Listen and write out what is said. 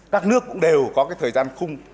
các nước cũng đều có thời gian khung